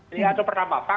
ini adalah pertama